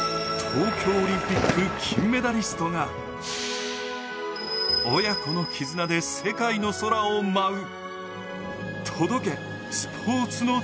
東京オリンピック金メダリストが親子の絆で世界の空を舞う。